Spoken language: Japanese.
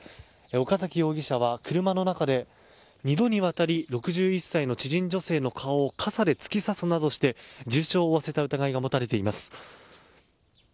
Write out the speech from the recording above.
岡崎容疑者は車の中で２度にわたり６１歳の知人女性の顔を傘で突き刺すなどして重傷を負わせた疑いが持たれています。